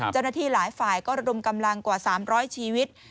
เจ้าหน้าที่หลายฝ่ายก็ระดมกำลังกว่า๓๐๐ชีวิต